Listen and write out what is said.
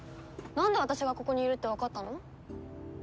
んで私がここにいるってわかったの？